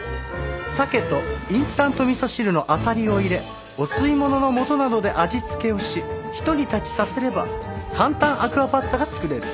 鮭とインスタント味噌汁のアサリを入れお吸い物のもとなどで味付けをしひと煮立ちさせれば簡単アクアパッツァが作れる。